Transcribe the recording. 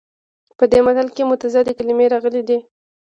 په دې متل کې متضادې کلمې راغلي دي